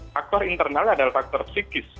faktor internalnya adalah faktor psikis